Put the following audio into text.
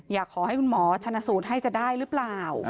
อยากให้คุณหมอชนสูตรให้จะได้หรือเปล่า